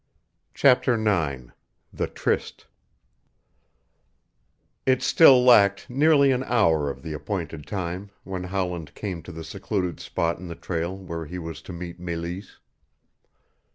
CHAPTER IX THE TRYST It still lacked nearly an hour of the appointed time when Howland came to the secluded spot in the trail where he was to meet Meleese.